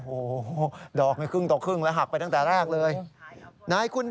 โอ้โหดอกครึ่งต่อครึ่งแล้วหักไปตั้งแต่แรกเลย